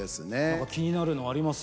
何か気になるのあります？